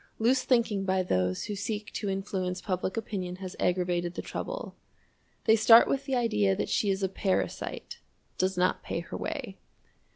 Loose thinking by those who seek to influence public opinion has aggravated the trouble. They start with the idea that she is a parasite does not pay her way.